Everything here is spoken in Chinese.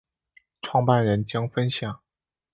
创办人将分享